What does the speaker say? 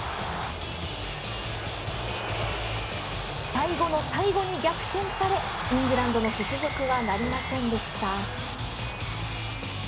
最後の最後に逆転されイングランドの雪辱はなりませんでした。